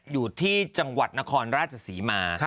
อยู่ที่จังหวัดนครราชศรีมา